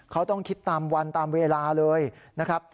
เขาต้องคิดตามวันตามเวลาเลยนะครับ